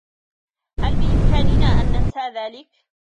هل بإمكاننا أن ننسى ذلك؟